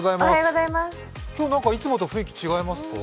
今日いつもと雰囲気違いますか？